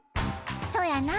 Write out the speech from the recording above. そやな。